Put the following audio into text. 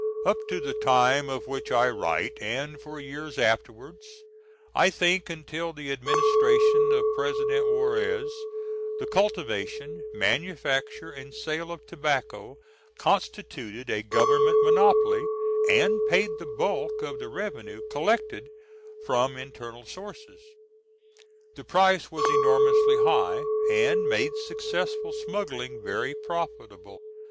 Up to the time of which I write, and for years afterwards I think until the administration of President Juarez the cultivation, manufacture and sale of tobacco constituted a government monopoly, and paid the bulk of the revenue collected from internal sources. The price was enormously high, and made successful smuggling very profitable.